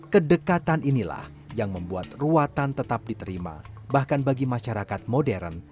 kedekatan inilah yang membuat ruatan tetap diterima bahkan bagi masyarakat modern